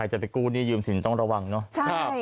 จะไปกู้หนี้ยืมสินต้องระวังเนอะ